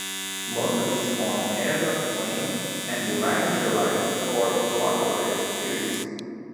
Most of these form pairs of plain and laryngealized or glottalized series.